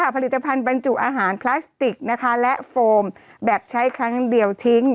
ผลิตภัณฑ์บรรจุอาหารพลาสติกและโฟมแบบใช้ครั้งเดียวทิ้ง